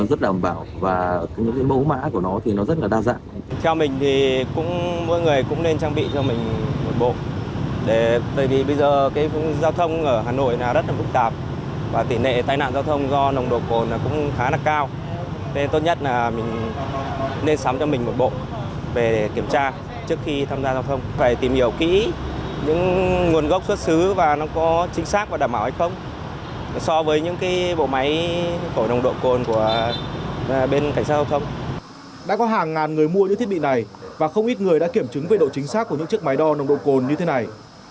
đã có hàng ngàn người mua những thiết bị này và không ít người đã kiểm chứng về độ chính xác của những chiếc máy đo nồng độ cồn như thế này